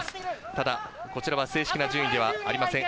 ただ、こちらは正式な順位ではありません。